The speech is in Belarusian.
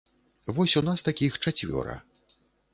Вось у нас такіх чацвёра.